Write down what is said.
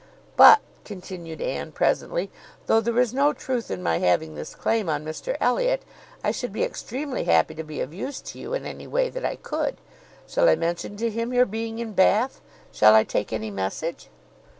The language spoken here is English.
"But," continued Anne, presently, "though there is no truth in my having this claim on Mr Elliot, I should be extremely happy to be of use to you in any way that I could. Shall I mention to him your being in Bath? Shall I take any message?"